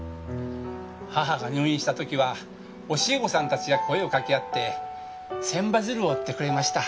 母が入院した時は教え子さんたちが声をかけ合って千羽鶴を折ってくれました。